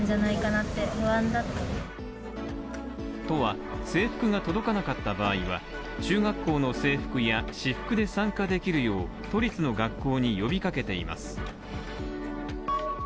都は制服が届かなかった場合は中学校の制服や私服で参加できるよう都立の学校に呼びかけています。